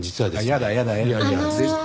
嫌だ嫌だ嫌だ。